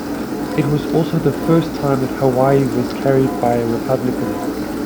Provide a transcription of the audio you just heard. It was also the first time that Hawaii was carried by a Republican.